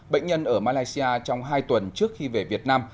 bệnh nhân ở malaysia trong hai tuần trước khi về việt nam